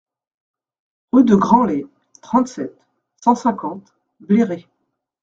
Rue de Grandlay, trente-sept, cent cinquante Bléré